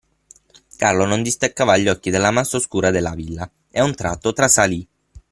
Carlo non distaccava gli occhi dalla massa oscura della villa e a un tratto trasalì.